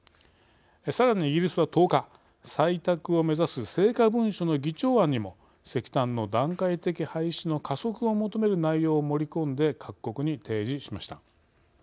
さらにイギリスは１０日採択を目指す成果文書の議長案にも石炭の段階的廃止の加速を求める内容を盛り込んで各国に提示しました。